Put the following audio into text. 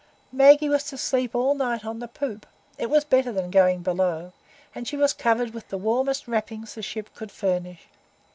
Maggie was to sleep all night on the poop; it was better than going below; and she was covered with the warmest wrappings the ship could furnish.